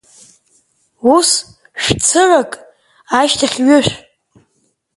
Ус, шә-цырак, ашьҭахь ҩышә.